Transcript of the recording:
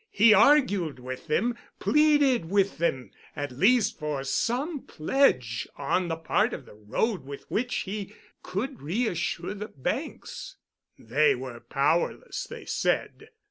He argued with them, pleaded with them at least for some pledge on the part of the road with which he could reassure the banks. They were powerless, they said.